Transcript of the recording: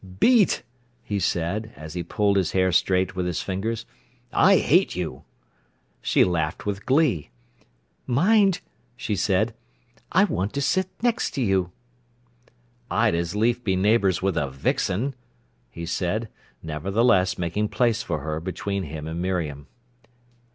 "Beat!" he said, as he pulled his hair straight with his fingers. "I hate you!" She laughed with glee. "Mind!" she said. "I want to sit next to you." "I'd as lief be neighbours with a vixen," he said, nevertheless making place for her between him and Miriam.